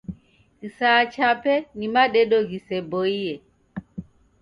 Kisaya chape ni madedo ghiseboie.